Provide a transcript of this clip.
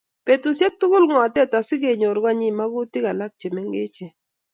Betusiek tugul ngotet asikonyor konyi magutik alak chemengech